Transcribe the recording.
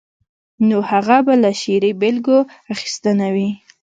نو هغه به له شعري بېلګو اخیستنه وي.